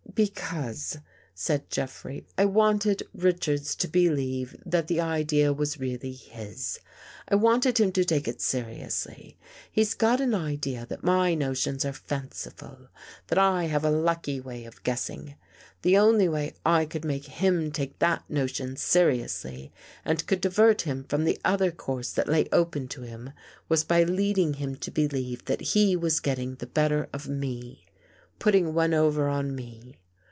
" Because," said Jeffrey, " I wanted Richards to believe that the idea was really his. I wanted him to take it seriously. He's got an idea that my no tions are fanciful; that I have a lucky way of guess ing. The only way I could make him take that notion seriously and could divert him from the other course that lay open to him, was by leading him to believe that he was getting the better of me — put ting one over on me.